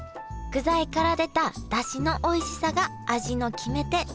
具材から出ただしのおいしさが味の決め手